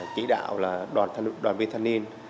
chỉ đạo đoàn viên thanh niên